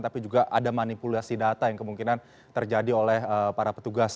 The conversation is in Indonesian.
tapi juga ada manipulasi data yang kemungkinan terjadi oleh para petugas